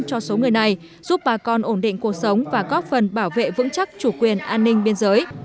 cho số người này giúp bà con ổn định cuộc sống và góp phần bảo vệ vững chắc chủ quyền an ninh biên giới